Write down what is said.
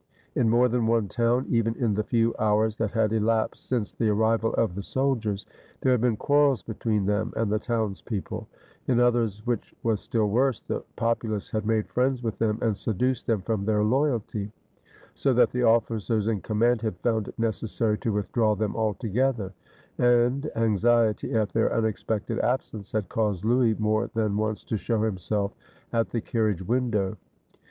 In more than one town, even in the few hours that had elapsed since the arrival of the sol diers, there had been quarrels between them and the townspeople; in others, which was still worse, the popu lace had made friends with them and seduced them from their loyalty, so that the oflScers in command had found it necessary to withdraw them altogether; and anxiety at their unexpected absence had caused Louis more than 299 FRANCE once to show himself at the carriage window.